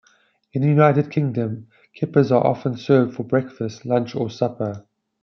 In the United Kingdom, kippers are often served for breakfast, lunch or supper.